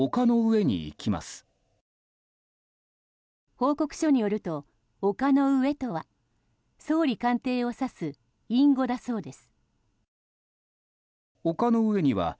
報告書によると、丘の上とは総理官邸を指す隠語だそうです。